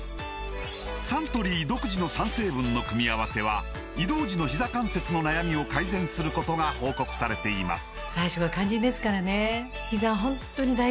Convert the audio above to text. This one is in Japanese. サントリー独自の３成分の組み合わせは移動時のひざ関節の悩みを改善することが報告されています